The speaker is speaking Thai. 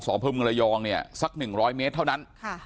สพรายองเนี่ยสัก๑๐๐เมตรเท่านั้น